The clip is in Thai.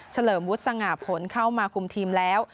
เลิมวุฒิสง่าผลเข้ามาคุมทีมแล้ว